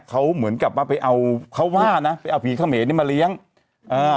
เขาเหมือนกับว่าไปเอาเขาว่านะไปเอาผีเขมรนี่มาเลี้ยงอ่า